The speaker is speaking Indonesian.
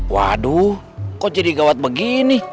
waduh kok jadi gawat begini